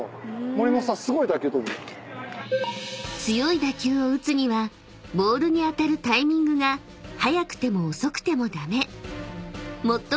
［強い打球を打つにはボールに当たるタイミングが早くても遅くても駄目］